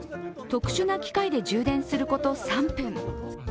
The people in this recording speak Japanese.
特殊な機械で充電すること３分。